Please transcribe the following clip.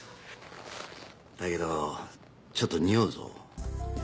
だけどちょっとにおうぞ。